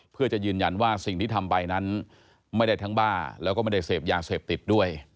เพื่อจะยืนยันว่าสิ่งที่ทำไปนั้นไม่ได้ทั้งบ้าแล้วก็ไม่ได้เสพยาเสพติดด้วย